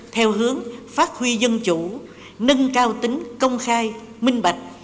theo hướng phát huy dân chủ nâng cao tính công khai minh bạch